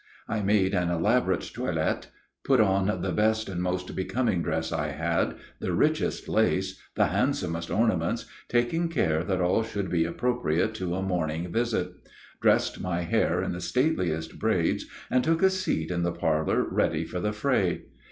I made an elaborate toilet, put on the best and most becoming dress I had, the richest lace, the handsomest ornaments, taking care that all should be appropriate to a morning visit; dressed my hair in the stateliest braids, and took a seat in the parlor ready for the fray.